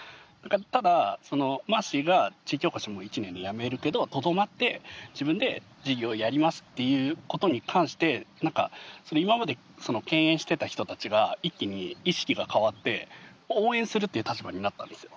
ただまーしーが地域おこしも１年で辞めるけどとどまって自分で事業をやりますっていうことに関してなんか今まで敬遠していた人たちが一気に意識が変わって応援するっていう立場になったんですよ。